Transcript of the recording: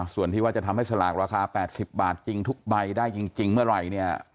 ส่วนที่ว่าจะทำให้สลากราคา๘๐บาทจริงทุกใบได้จริงเมื่อไหร่เนี่ย